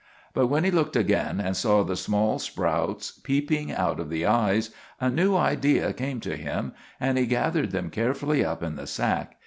But when he looked again, and saw the small sprouts peeping out of the eyes, a new idea came to him, and he gathered them carefully up in the sack.